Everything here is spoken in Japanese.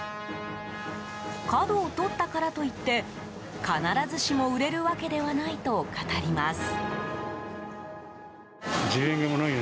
角を取ったからといって必ずしも売れるわけではないと語ります。